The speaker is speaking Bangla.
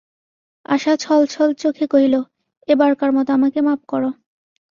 আশা ছল-ছল চোখে কহিল, এবারকার মতো আমাকে মাপ করো।